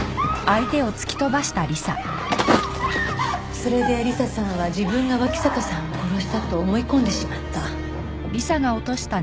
それで理彩さんは自分が脇坂さんを殺したと思い込んでしまった。